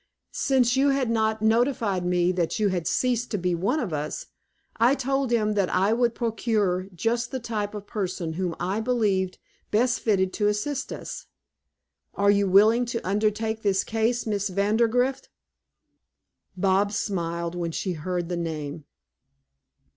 Since you had not notified me that you had ceased to be one of us, I told him that I would procure just the type of person whom I believed best fitted to assist us. Are you willing to undertake this case, Miss Vandergrift?" Bobs smiled when she heard the name.